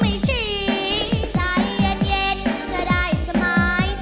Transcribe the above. อีกนั้นเลยยกไก่